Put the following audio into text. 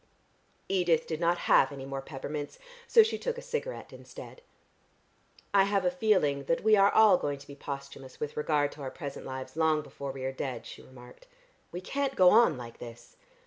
Edith did not have any more peppermints, so she took a cigarette instead. "I have a feeling that we are all going to be posthumous with regard to our present lives long before we are dead," she remarked. "We can't go on like this."